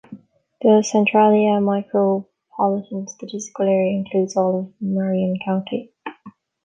The Centralia Micropolitan Statistical Area includes all of Marion County.